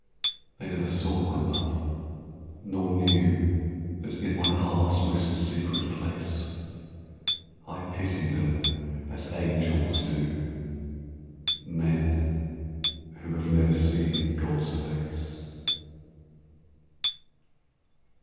They never saw my love, nor knew That in my heart's most secret place I pity them as angels do Men who have never seen God's face.